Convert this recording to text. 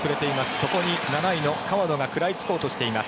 そこに７位の川野が食らいつこうとしています。